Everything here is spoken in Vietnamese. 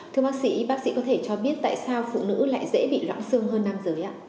thưa bác sĩ bác sĩ có thể cho biết tại sao phụ nữ lại dễ bị lãng sưng hơn nam giới ạ